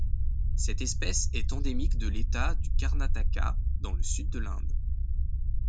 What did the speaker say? Cette espèce est endémique de l'État du Karnataka dans le sud de l'Inde.